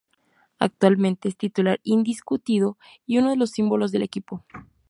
Actualmente es titular indiscutido y uno de los símbolos del equipo.